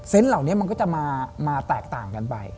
เหล่านี้มันก็จะมาแตกต่างกันไป